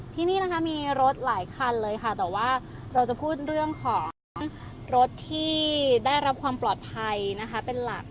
ที่นี่นะคะมีรถหลายคันเลยค่ะแต่ว่าเราจะพูดเรื่องของรถที่ได้รับความปลอดภัยนะคะเป็นหลัก